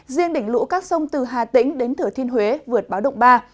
riêng đỉnh lũ các sông từ hà tĩnh đến thửa thiên huế vượt báo động ba